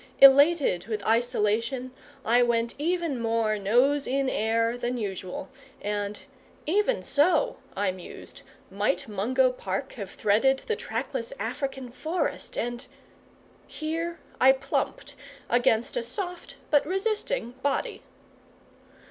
Elated with isolation, I went even more nose in air than usual: and "even so," I mused, "might Mungo Park have threaded the trackless African forest and..." Here I plumped against a soft, but resisting body.